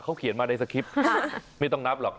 เขาเขียนมาในสคริปต์ไม่ต้องนับหรอก